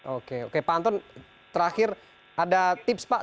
oke oke pak anton terakhir ada tips pak